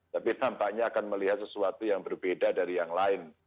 tapi nampaknya akan melihat sesuatu yang berbeda dari yang lain